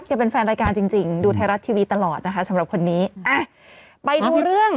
แกเป็นแฟนรายการจริงจริงดูไทยรัฐทีวีตลอดนะคะสำหรับคนนี้อ่ะไปดูเรื่อง